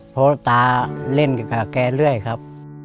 เพราะตาเล่นกับแกเรื่อยครับ